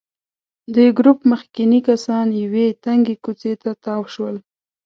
د ګروپ مخکېني کسان یوې تنګې کوڅې ته تاو شول.